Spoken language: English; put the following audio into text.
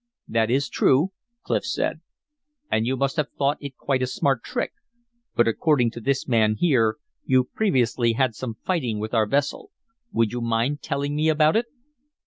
"That is true," Clif said. "And you must have thought it quite a smart trick! But according to this man here, you previously had some fighting with our vessel. Would you mind telling me about it?"